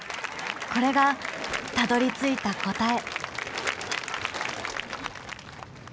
これがたどりついた答え。